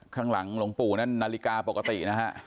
ข้างหลังหลวงปู่นั่นนาฬิกาปกตินะฮะ